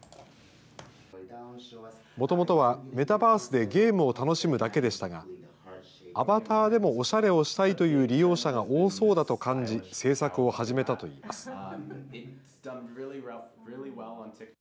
もともとはメタバースでゲームを楽しむだけでしたが、アバターでもおしゃれをしたいという利用者が多そうだと感じ、制作を始めたといいます。